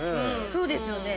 そうですよね。